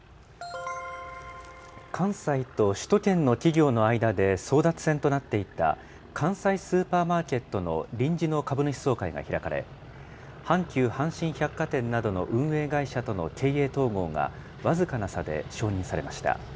関西と首都圏の企業の間で、争奪戦となっていた関西スーパーマーケットの臨時の株主総会が開かれ、阪急阪神百貨店などの運営会社との経営統合が僅かな差で承認されました。